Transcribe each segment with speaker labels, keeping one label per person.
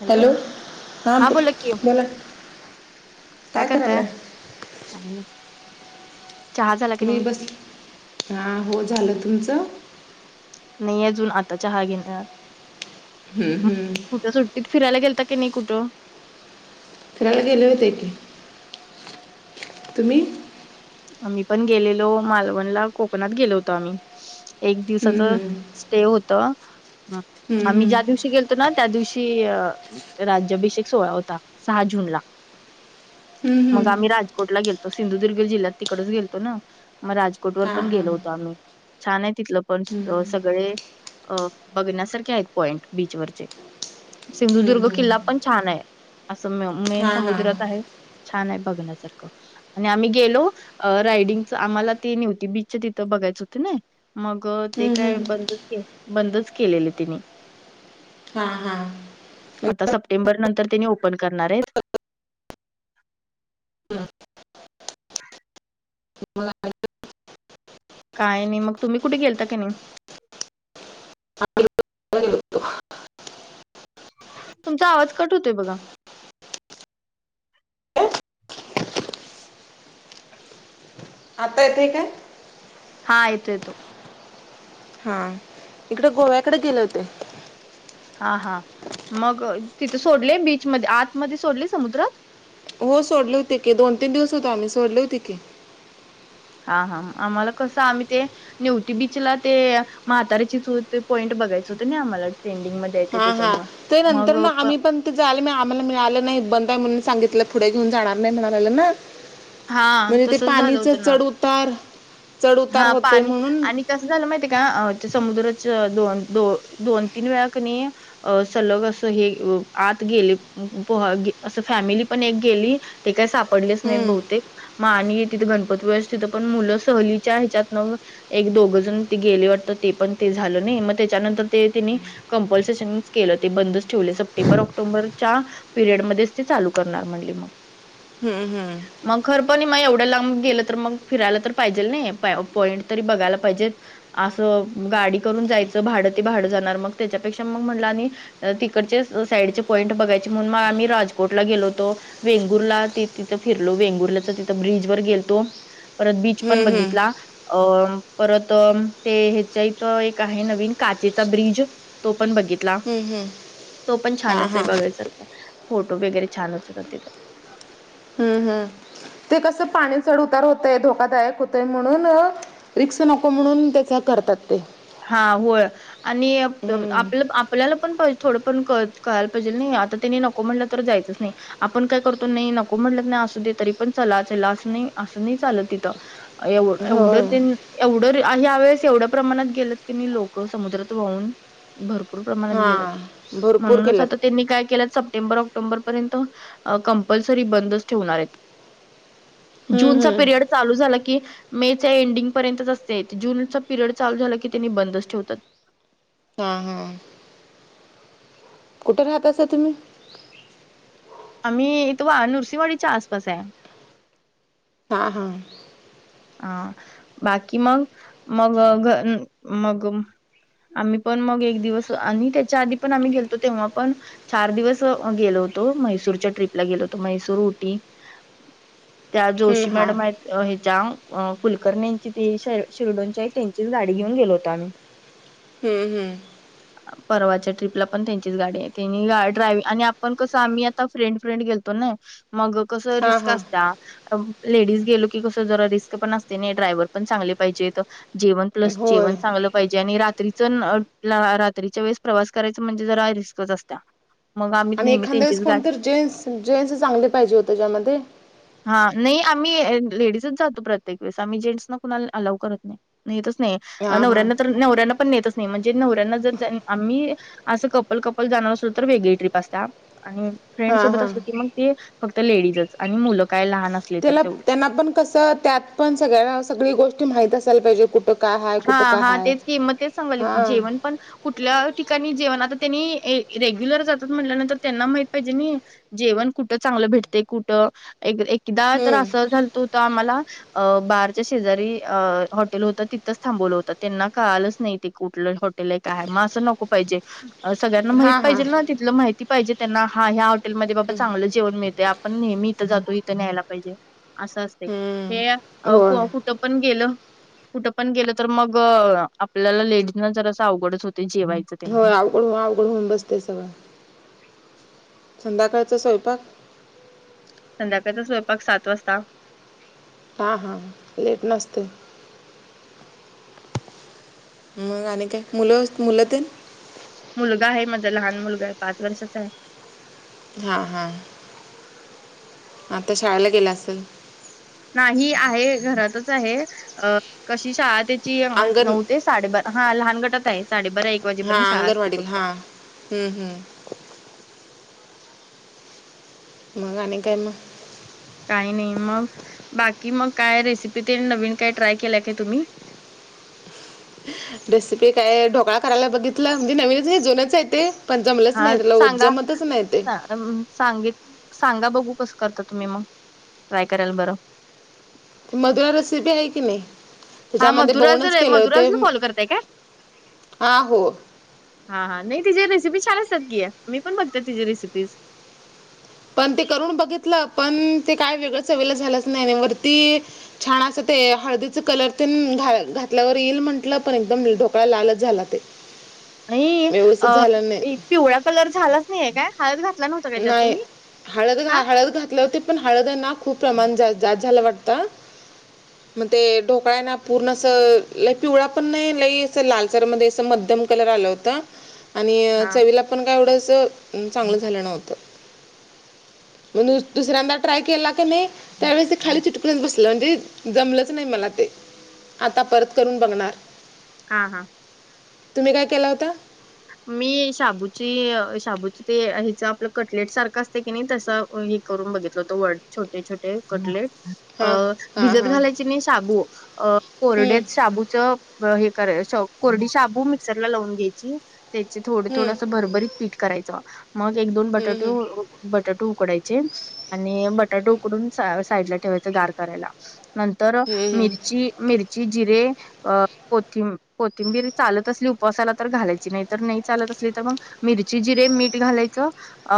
Speaker 1: Hello!
Speaker 2: हां
Speaker 1: हा
Speaker 2: ब-
Speaker 1: बोला कि
Speaker 2: बोला
Speaker 1: काय करताय? काय नाही. चहा झाला की
Speaker 2: मी
Speaker 1: नाही
Speaker 2: बस हां हो झालं तुमचं.
Speaker 1: नाही अजून आता चहा घेणार.
Speaker 2: हम्म,
Speaker 1: [unintelligible]
Speaker 2: हम्म.
Speaker 1: तिथ फिरायला गेलता की नाही कुठं‌
Speaker 2: फिरायला गेले होते की. तुम्ही?
Speaker 1: आम्ही पण गेलेलो मालवणला कोकणात गेलो होतो आम्ही एक दिवसाच
Speaker 2: हम्म, हम्म.
Speaker 1: ते होत
Speaker 2: हम्म,
Speaker 1: आम्ही
Speaker 2: हम्म.
Speaker 1: ज्या दिवशी गेलतो ना त्या दिवशी राज्याभिषेक सोहळा होता सहा जून ला.
Speaker 2: हम्म,
Speaker 1: मग
Speaker 2: हम्म.
Speaker 1: आम्ही राजकोटला गेलतो सिंधुदुर्ग जिल्ह्यात तिकडच गेलतो. ना मग राजकोट वर
Speaker 2: हा,
Speaker 1: पण
Speaker 2: हा.
Speaker 1: गेलो होतो आम्ही, छान आहे तिथलं पण
Speaker 2: हम्म,
Speaker 1: सगळे अ बघण्यासारखे आहेत पॉईंट बीचवररचे.
Speaker 2: हम्म,
Speaker 1: सिंधुदुर्ग
Speaker 2: हम्म.
Speaker 1: किल्ला पण छान आहे. असं म मेन
Speaker 2: हा, हा.
Speaker 1: समुद्रात आहे. छान आहे बघण्यासारखं आणि आम्ही गेलो अ रायडिंग चं आम्हाला ते नव्हती बीच तिं बघयचं होतं. नाही मग ते
Speaker 2: हम्म,
Speaker 1: काय
Speaker 2: हम्म.
Speaker 1: बंदच के बंदच केलेले तिनि.
Speaker 2: हा, हा. मग
Speaker 1: आता सप्टेंबर नंतर त्यांनी ओपन करणार आहेत.
Speaker 2: मला [unintelligible]
Speaker 1: काय नाही मग तुम्ही कुठे गेलता का नाही.
Speaker 2: आम्ही पण गेलतो.
Speaker 1: तुमचा आवाज कट होतोय बघा.
Speaker 2: आता येतोय काय?
Speaker 1: हा येतो येतो.
Speaker 2: हा, इकड गोव्याकड गेले होते.
Speaker 1: हा हा मग तिथे सोडले बीच मधे, आतमध्ये सोडले समुद्रात?
Speaker 2: हो सोडले होते के, दोन तीन दिवस होतो आम्ही, सोडले होते कि.
Speaker 1: हा हा आम्हाला कसं, आम्ही ते निवती बीचला ते,, म्हातारीची चूल तें पॉईंट बघायचं होत ना आम्हाला, ट्रेंडिंगमध्ये
Speaker 2: हा. हा. ते नंतर ना आम्ही पण झालं म आम्हाला मिळालं नाही, बंद आहे म्हणून सांगितलं, पुढे घेऊन जाणार नाही म्हणाले लागळेना.
Speaker 1: हा
Speaker 2: म्हणजे ते
Speaker 1: तसच झालं
Speaker 2: पाणीच
Speaker 1: होतं ना
Speaker 2: चढउतार, चढउतार
Speaker 1: हा
Speaker 2: होतय
Speaker 1: पाणी
Speaker 2: म्हणून?
Speaker 1: आणि कसं झालं माहितीय का? तें समुद्राच्या दोन, दो-दोन तीन वेळा क नाई अ सलग अस हे आत गेले, पोहा असं फॅमिली पण एक गेली ते काय सापडलेच नाहीत
Speaker 2: हम्म,
Speaker 1: बहु म आणि तिथ गणपती व्यवस्थित पण मुलं सहलीच्या ह्याच्यात न एक दोघं जण ती गेली वाटत, ते पण ते झालं नाही, मग त्याच्यानंतर ते तिनी कंपल्सेशन केलं ते बंदच ठेवलय सप्टेंबर ऑक्टोबरच्या पिरियडमध्येच तें चालू करणार म्हणले मग.
Speaker 2: हम्म हम्म.
Speaker 1: मग खरपण मग एवढ्या लाब मग गेलं तर मग फिरायला तर पाहिजेल नाही, पॉईंट तरी बघायला पाहिजे. असं गाडी करून जायचं, भाडं ते भाडं जाणार, मग त्याच्यापेक्षा मग म्हटलं आणि तिकडचे साईडचे पॉइंट बघायचे म्हणून मग आम्ही राजकोटला गेलो होतो. वेंगूर ला त तिथं फिर लो, वेंगुरल्याच्या तिथ ब्रिज वर गेलतो, परत बीच पण
Speaker 2: हम्म, हम्म,
Speaker 1: बघितला. अ परत ते ह्याच्या इथं एक आहे नवीन, काचेचा ब्रिज तो पण बघित ला,
Speaker 2: हम्म, हम्म.
Speaker 1: तो पण
Speaker 2: हा
Speaker 1: छानच
Speaker 2: हा
Speaker 1: आहे बघायसारख, फोटो वगैरे छानच येतात तिथे.
Speaker 2: हम्म, हम्म, ते कसं पाणी चढ उतार होतय, धोकादायक होतंय, म्हणून रिक्स नको म्हणून, त्याचा करतात ते.
Speaker 1: हा, होय. आणि आप,
Speaker 2: हम्म.
Speaker 1: आपल्याला पण थोडं पण कळ-कळायला पाहिजेल नई, आता त्यांनी नक को म्हणलं तर जायचच नाही. आपण काय करतो, नही नको म्हटलंत ना असू दे तरी पण चला चला असं नाही, असं नाही चालत तिथं. एव-एवढं
Speaker 2: होय
Speaker 1: तेन एवढं ह्यावेेळेस एवढ्या प्रमाणात गेलंत की नाही लोकं समुद्रात वाहून. भरपूर प्रमाणात गेलत,
Speaker 2: हां भरपूर
Speaker 1: म्हणूनच आता
Speaker 2: केल्यात
Speaker 1: त्यांनी काय केल्यात, सप्टेंबर आक्टो बरपर्यंत, कंपल्सरी बंदच ठेवणार आहेत.
Speaker 2: हम्म,
Speaker 1: जून चा
Speaker 2: हम्म.
Speaker 1: पिरियड चालू झाला की मे च्या एंडिंगपर्यंतच असतेय, जूनचा पिरियड चालू झालं की त्यांनी बंदच ठेवतात.
Speaker 2: हा. हा. कुठ राहता असा तुम्ही?
Speaker 1: आम्ही ईथ नूरसिंवाडीच्या आसपास आहे.
Speaker 2: हा, हा.
Speaker 1: हा बाकी मग, मग मग. आम्ही पण मग एक दिवस आणि त्याच्या आधी पण, आम्ही गेलो तेव्हा पण चार दिवस गेलो होतो, म्हैसूरच्या ट्रिपला गेलो होतो, म्हैसूर उटी. त्या
Speaker 2: हम्म
Speaker 1: जोशी
Speaker 2: हां
Speaker 1: मॅडम आहेत ह्याच्या अ कुलकर्णीची ते शी-शिरडोंच्या त्यांची गाडी घेऊन गेलो होतो आम्ही.
Speaker 2: हम्म, हम्म.
Speaker 1: अ. परवाच्या ट्र्रीपला पण त्यांचीच गाडी आहे त्यांनी ग ड्राय आणि आपण कसं आम्ही आता फ्रेंड-फ्रेंड गेलतो ना मग कस
Speaker 2: हा
Speaker 1: रिस्क
Speaker 2: हा
Speaker 1: असत्या. लेडीज गेलो की कसं जरा रिस्क थं असतय नाही. ड्रायव्हर पण चांगले पाहिजे. जेवण प्लस जेवण
Speaker 2: होय
Speaker 1: चांगलं पाहिजे आणि रात्री जन रात्रीच्या वेळेस प्रवास करायचा म्हणजे जरा रिस्कच असत्या. मग आम्ही
Speaker 2: आणि
Speaker 1: नेहमी
Speaker 2: एखाद्या
Speaker 1: त्यांचीच
Speaker 2: वेळेस
Speaker 1: गाडी
Speaker 2: कोणतर जेन्स जेन्स चांगले पाहिजे होते च्यामध्ये.
Speaker 1: हा, नाही आम्ही लेडीजच जातो. प्रत्ये क वेळेस आम्ही जेन्ट्सला कुणाला अलाव करत नाही. नेतचं नाही
Speaker 2: हा हा
Speaker 1: नवऱ्याना तर नवऱ्यांना पण नेतच नाही म्हणजे नवऱ्यांना जर आम्ही, असं कपल कपल जाणार असलो तर वेगळी ट्रीप असत्या आणि फ्रेंड
Speaker 2: हा
Speaker 1: सोबत
Speaker 2: हा
Speaker 1: असलो, की मग ते फक्त लेडीजच आणि मुलं. काय लहान असली तर
Speaker 2: त्याला
Speaker 1: तेवढी.
Speaker 2: त्यांना पण कस त्यात पण सगळ्या सगळी गोष्टी माहित असायला पाहिजे कुठ
Speaker 1: हा हा तेच कि मगं तेच सांगालोय.
Speaker 2: हा
Speaker 1: की जेवण पण कुठल्या ठिकाणी जेवण आता त्यांनी रेग्युलर जातात. म्हटल्यानंतर, त्यांना माहित पाहिजे नाही. जेवण कुठं चांगलं भेटते कुठं एक एक एकदा तर असं
Speaker 2: हम्म
Speaker 1: झालत हो. आम्हाला बारच्या शेजारी अ हॉटेल होत ति तिथंच थांबवलं होत. त्यांना कळालंच नाही. ते कुठलं हॉटेल आहे. काय मग असं नको पाहिजे. सगळ्यांना
Speaker 2: हा
Speaker 1: माहित
Speaker 2: हा
Speaker 1: पाहिजेल ना. तिथलं माहिती पाहिजे त्यांना हा या होटेलमध्ये बाबा चांगलं जेवण मिळतय. आप पण नेहमी इथं जातो, इथं न्यायला पाहिजे. असं असतय,
Speaker 2: हम्म
Speaker 1: हे
Speaker 2: होय
Speaker 1: कुठं पण गेलं. कुठं पण गेलं तर मग, आपल्याला लेडीजना जरास अवघडच होतय जेवाय
Speaker 2: होय, अवघड होऊन अवघड होऊन बसतय सगळं संध्याकाळच स्वयंपाक?
Speaker 1: संध्याकाळचा स्वयंपाक सात वाजता.
Speaker 2: हां, हां, लेटन आसतय. मग आणि काय मुलं मुलं तेन?
Speaker 1: मुलगा आहे. माझा लहान मुलगा आहे. पाच वर्षाचा आहे.
Speaker 2: हा हा. आता शाळेला गेला असल?
Speaker 1: नाही आहे. घरातच आहे. अ कशी शाळा त्याची
Speaker 2: अंगण
Speaker 1: नऊ तेच साडेबारा. हा लहान गटात आहे. साडेबारा एक
Speaker 2: हा
Speaker 1: वाजेपर्यंत शाळा असती
Speaker 2: अंगणवाडीला
Speaker 1: फक्त.
Speaker 2: हा हम्म हम्म. मगा आणि काय मग.
Speaker 1: काही नाही. मग बाकी मग काय रेसिपी तेन नवीन काय ट्राय केल्या काय तुम्ही?
Speaker 2: रेसिपी काय ढोकळा करायला बघितलं. अगदी नवीनच आ. जुनंच आहे ते. पण जमलच नाही ल जमतच नाही ते.
Speaker 1: अम सांगित सांगा बघू कसं करता तुम्ही मग ट्राय करायला बरं.
Speaker 2: मधुरा रेसिपी आहे की नाही.
Speaker 1: हा
Speaker 2: त्याच्यामध्ये
Speaker 1: मधुराज
Speaker 2: बघूनच केलं होते.
Speaker 1: मधुराजला फॉलो करताय काय?
Speaker 2: आ हो
Speaker 1: हा हा नाही तिचे रेसिपी छान असतात की मी पण बघते तिची रेसिपीज.
Speaker 2: पण ते करून बघितलं. पण ते काय वेगळं वेगळं चवीला काय झालंच नाही. वरती छान अस ते हळदीच कलर तेन घातल्यावर येईल म्हंटलं पण एकदम ढोकळा लालच झाला ते.
Speaker 1: नाही
Speaker 2: व्यवस्थित
Speaker 1: अ
Speaker 2: झालं नाही
Speaker 1: पिवळा कलर झालाच नाहीय. काय हळद घातला नव्हता. काय त्यात
Speaker 2: नाही.
Speaker 1: तुम्ही
Speaker 2: हळद
Speaker 1: का
Speaker 2: घा हळद घातले होती पण हळद आहे ना खूप प्रमाण जास्त झालं वाटतं.
Speaker 1: ह [inaudible]
Speaker 2: मग ते ढोकळा आहे ना पूर्ण असं अ पिवळा पण नाही लई असं लालसर मध्ये असं मध्यम कलर आलं होतं.
Speaker 1: [inaudible]
Speaker 2: आणि
Speaker 1: हा
Speaker 2: चवीला पण काय एवढंस चांगलं झालं नव्हतं. मग दुसऱ्यांदा ट्राय केला की नाही त्यावेळेस ते खाली चीटकूनच बस ल. म्हणजे जमलंच नाही मला ते, आता परत करून बघणार.
Speaker 1: हा हा.
Speaker 2: तुम्ही काय केला होता?
Speaker 1: मी शाबूची शाबूची ते हेच आपलं कटलेट सारखं असते की नाही तसं. हे करून बघितल हो तो व छोटे छोटे कटलेट
Speaker 2: हां हां
Speaker 1: भिजत
Speaker 2: हां
Speaker 1: घालायचे. मी साबू कोरडेेत साबूच हे करा कोरडी शाबू मिक्सरला लावून घ्यायची त्याचे थोडे थोडं असं भरभरी पीठ करायच मग एक दोन बटाटे
Speaker 2: हां
Speaker 1: बटाटो उकडायचे आणि बटाटा उकडून साईडला ठेवायचा गार करायला नंतर मिरची मिरची जिरे अ कोथिंब कोथिंबीर चालत असली उपासाला तर घालायची. नाही तर नाही चालत असली तर मग मिरची जिरे मीठ घालायचं. अ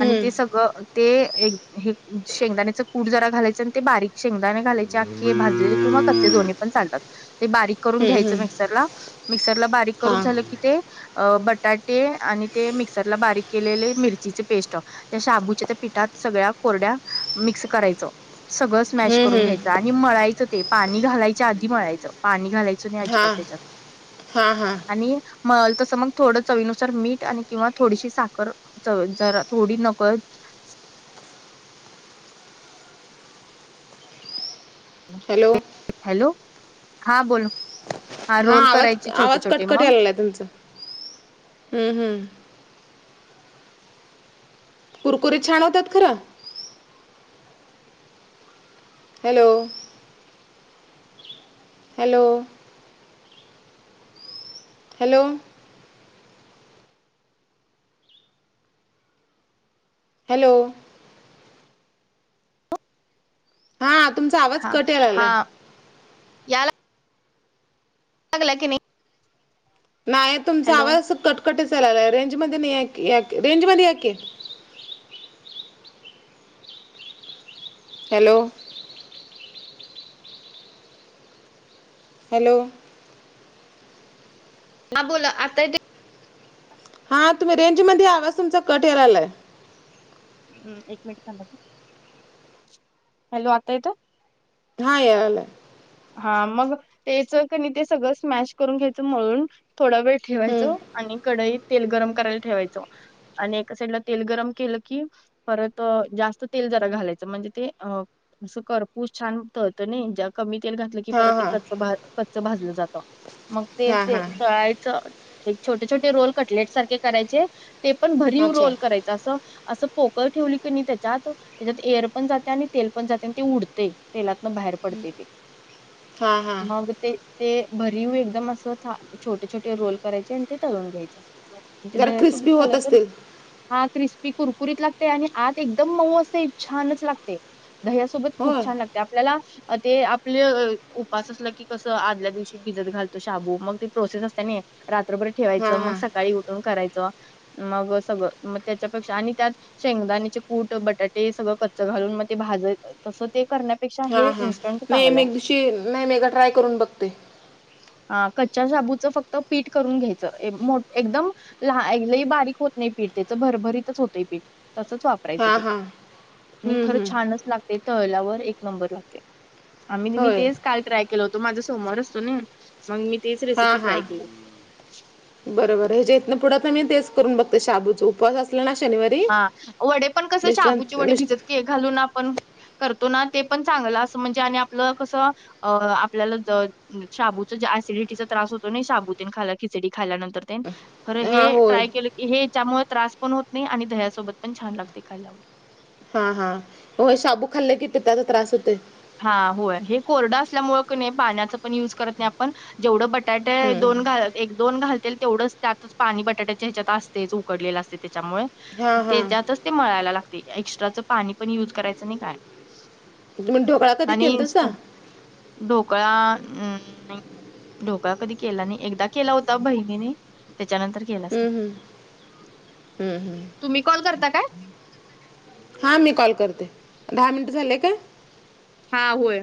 Speaker 1: आणि ते सगळं ते एक हे शेंगदाण्याचं पूड जरा घालायचं ते बारीक शेंगदाने घालायचे आखे भाजलेले किंवा कच्चे दोन्ही पण चालतात ते बारीक करून घ्यायचं मिक्सर ला मिक्सर ला बारीक करून
Speaker 2: हां
Speaker 1: झालं की ते बटाटे आणि ते मिक्सरला बारीक केलेले मिरचीचे पेस्ट त्या शाबूच्या त्या पिठात सगळ्या कोरड्या मिक्स करायचं. सगळं स्मॅश
Speaker 2: हम्म,
Speaker 1: करून
Speaker 2: हम्म.
Speaker 1: घ्यायचं आणि मळायचं ते पाणी घालायच्या आधी मळायचं पाणी घालायच नाही
Speaker 2: हा
Speaker 1: अजिबात त्याच्या
Speaker 2: हा हा
Speaker 1: आणि मळल तसं मग थोडं चवीनुसार मीठ आणि किंवा थोडीशी साखर च जरा थोडी नकद ह.
Speaker 2: हॅलो.
Speaker 1: हॅलो हा बोल.
Speaker 2: हा
Speaker 1: रोल
Speaker 2: आवाज
Speaker 1: करायचे छोटे
Speaker 2: आवाज
Speaker 1: छोटे
Speaker 2: कटकटी
Speaker 1: मग
Speaker 2: आलेला आहे तुमचं हम्म हम्म. कुरकुरीत छान होतात खरं. हॅलो. हॅलो. हॅलो. हॅलो. हा तुमचा आवाज
Speaker 1: हा
Speaker 2: कटी
Speaker 1: हा
Speaker 2: लागलाय.
Speaker 1: लागला की नाही.
Speaker 2: नाही तुमचा
Speaker 1: हॅलो
Speaker 2: आवाज कटकटी चालला आहे रेंज मध्ये नाही आहे रेंज मध्ये आहे की हॅलो. हॅलो.
Speaker 1: ह बोला आता
Speaker 2: हा तुम्ही रेंज मध्ये आवाज तुमचा कट ये रालाय.
Speaker 1: हम् एक मिनिटथां हॅलो आता येतं.
Speaker 2: हा याला.
Speaker 1: हा मग त्याच क नाही ते सगळं स्मॅश करून घ्यायचं म्हळून थोडा वेळ
Speaker 2: हम्म.
Speaker 1: ठेवायचो आणि कडईत तेल गरम करायला ठेवायचो. आणि एका साइडला तेल गरम केलं की परत जास्त तेल जरा घालायचं म्हणजे ते अ. असं करपूस छान होत नाही ज्या कमी तेल घातलं की
Speaker 2: हा
Speaker 1: परत ते
Speaker 2: हा
Speaker 1: क कच्च भाजलं जातं मग ते
Speaker 2: हा
Speaker 1: ते
Speaker 2: हा
Speaker 1: तळायचं. एक छोटे छोटे रोल कटलेट सारखे करायचे ते पण भरीव
Speaker 2: अच्छा
Speaker 1: रोल करायचे. असं पोकळ ठेवली की नाही त्याच्यात त्याच्यात एर पण जाते आणि तेल पण जाते आणि तेी उडते. ते तेलातन बाहेर पडते ते
Speaker 2: हा हा.
Speaker 1: म ते ते भरीव एकदम अस छोटे छोटे रोल करायचे आणि ते तळून घ्यायचे. म्हणजे
Speaker 2: जरा क्रिस्पी
Speaker 1: दया्यासोबत
Speaker 2: होत
Speaker 1: खाला तर
Speaker 2: असतील
Speaker 1: हा क्रिस्पी कुरकुरीत लागते आणि आत एकदम मऊ असते छानच लागते दह. खूप
Speaker 2: होय
Speaker 1: छान लाते आपल्याला आपले उपास असला की कसं आदल्या दिवशी भिजत घालतो शाबू मग त प्रोसेस असतते ना. रात्रभर
Speaker 2: हा
Speaker 1: ठेवायचं मग
Speaker 2: हा
Speaker 1: सकाळी उठून करायचं मग सगळं मग त्याच्यापेक्षा आणि त्यात शेंगदाणेचे कूट बटाटे सगळं कच्च घालून मग ते भाजय तसं ते करण्या पेक्षा हे इंस्टंट
Speaker 2: नै मी एक दिवशी नाय मी एकदा ट्राय करून बघते.
Speaker 1: अ कच्च्या शाबूचं फक्त पीठ करून घ्यायचं एक मो एकदम लहा ऐक बारीक होत नाही पीठ त्याचं भरभरीतच होतंय पीठ तसंच वाप
Speaker 2: हा
Speaker 1: कारायच ते
Speaker 2: हा
Speaker 1: आणि
Speaker 2: हम्म,
Speaker 1: खरं
Speaker 2: हम्म.
Speaker 1: छानच लागते तळल्यावर एक नंबर लागते. आम्ही मी
Speaker 2: होय
Speaker 1: तेच काल ट्राय केलं होतो माझा सोमवार असतो ना मंग मी. तेच
Speaker 2: हां
Speaker 1: रेसिपी ट्राय
Speaker 2: हां.
Speaker 1: केली.
Speaker 2: बरोबर आहे जे इथंनं पुढ त मी तेच करून बघते शाबूचा उपास आस पल्याला शनिवार
Speaker 1: हा वडे पण कसे शाबूचे वडे भिजत
Speaker 2: मिस्ट
Speaker 1: के घालून आपण करतो ना ते पण चांगलं अस म्हणजे आणि आपलं कसं अ आपल्याला द शाबूचा एसिडिटीचा त्रास होतो नई शाबू ते न खाला खिचडी खाल्यानंतर तेन खरं हे
Speaker 2: हा होय
Speaker 1: ट्राय केलं की हेच्यामुळे त्रास पण होत नाही आणि दह्यासोबत पण छान लागते खायल्यावर.
Speaker 2: हां हा होय साबू खाल्ले की ती ताचा त्रास होतय.
Speaker 1: हां होय हे कोरडं असल्यामुळं क नय पाण्याचा पण युज करत नाही आपण. जेवढं बटाटे आहे
Speaker 2: हम्म.
Speaker 1: दोन घाल एक दोन घालतील तेवढंच त्यातच पाणी बटाट्याच्या ह्याच्यात आसतेच उकडलेलं असते त्याच्यामुळे
Speaker 2: हा
Speaker 1: ते
Speaker 2: हा
Speaker 1: त्यातच ते मळायला लागते एक्स्ट्राचं पाणी पण युज करायचं नाही काय
Speaker 2: त मंग ढोकळा कधी
Speaker 1: आणि
Speaker 2: केलतासा
Speaker 1: इंस्टंट ढोकळा अ ढोलळा कधी केला नाही एकदा केला होता बहिणीने त्याच्यानंतर केलास
Speaker 2: हम्म, हम्म. हम्म,
Speaker 1: नई
Speaker 2: हम्म.
Speaker 1: तुम्ही कॉल करता काय?
Speaker 2: हां मी कॉल करते दहा मिनटं झाले का?
Speaker 1: हां होय.